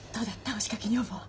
押しかけ女房は。